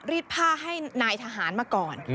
รีดผ้าให้นายทหารมาก่อน